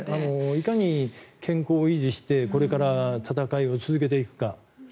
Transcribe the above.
いかに健康を維持してこれから戦いを続けていくか。